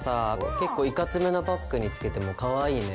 結構いかつめなバッグにつけてもかわいいね。